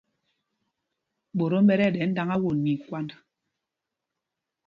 Ɓotom ɓɛ tí ɛɗɛ ndáŋá won nɛ ikwand.